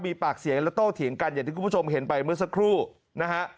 มีปากเสียงและโต้เถียงกันอย่างที่คุณผู้ชมเห็นไปเมื่อสักครู่นะฮะ